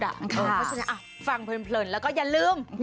เพราะฉะนั้นฟังเพลินแล้วก็อย่าลืม